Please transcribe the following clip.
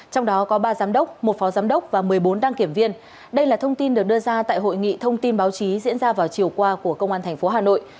trong đó có ba giám đốc một phó giám đốc và một mươi bốn đăng kiểm viên đây là thông tin được đưa ra tại hội nghị thông tin báo chí diễn ra vào chiều qua của công an tp hà nội